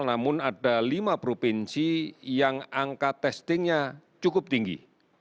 namun ada lima provinsi yang angka testingnya cukup tinggi